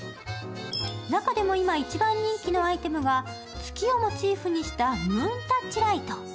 中でも今一番人気のアイテムが月をモチーフにしたムーンタッチライト。